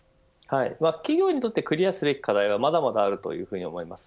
企業にとってクリアすべき課題はまだまだあると思います。